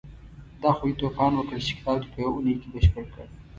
دا خو دې توپان وکړ چې کتاب دې په يوه اونۍ کې بشپړ کړ.